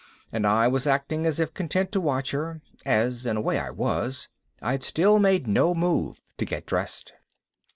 And I was acting as if content to watch her, as in a way I was. I'd still made no move to get dressed.